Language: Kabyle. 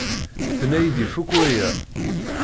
Tenna-iyi-d ifuk waya.